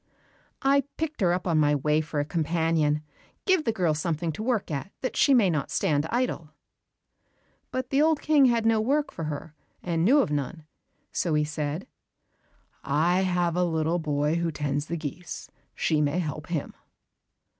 "I picked her up on my way for a companion; give the girl something to work at, that she may not stand idle." But the old King had no work for her, and knew of none, so he said, "I have a little boy who tends the geese, she may help him."